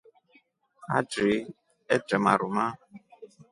Atri etre maruma.